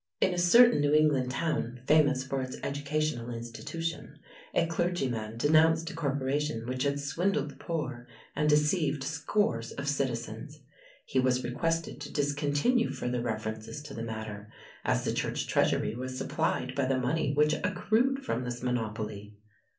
In a certain New England town famous for its educational institution, a clergyman denounced a corporation which had swindled the poor and deceived scores of citizens. He was requested to discontinue further references to the matter, as the church treasury was supplied by the money which accrued from this monopoly.